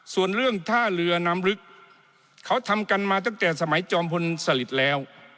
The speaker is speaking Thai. ส่วนเรื่องท่าเรือน้ำลึกเขาทำกันมาตั้งแต่สมัยจอมพลสลิดแล้ว